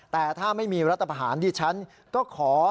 แต่ถ้าไม่มีรัฐประหารดิฉันก็ขอ